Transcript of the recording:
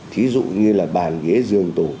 thí dụ như là bàn ghế giường tủ